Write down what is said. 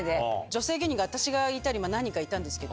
女性芸人が、私がいたり、何人かいたんですよ。